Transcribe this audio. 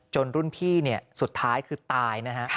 รุ่นพี่สุดท้ายคือตายนะฮะ